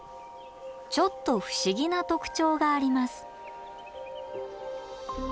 ちょっと不思議な特徴があります